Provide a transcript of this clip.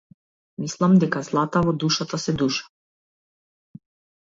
Мислам дека злата во душата се душа.